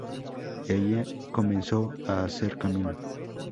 Y ahí comenzó a hacer camino.